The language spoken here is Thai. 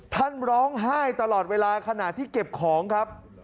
ท่านร้องไห้ตลอดเวลาขณะที่เก็บของครับ